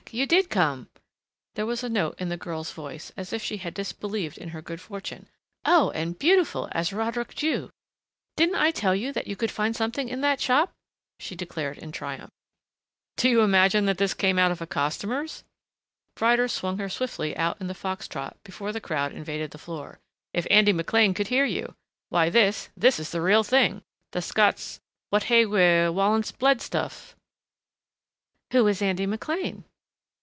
You did come!" There was a note in the girl's voice as if she had disbelieved in her good fortune. "Oh, and beautiful as Roderick Dhu! Didn't I tell you that you could find something in that shop?" she declared in triumph. "Do you imagine that this came out of a costumer's?" Ryder swung her swiftly out in the fox trot before the crowd invaded the floor. "If Andy McLean could hear you! Why this, this is the real thing, the Scots wha hae wi' Wallace bled stuff." "Who is Andy McLean?"